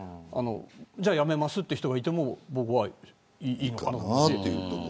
じゃあ辞めますって人がいても僕はいいのかなと思うし。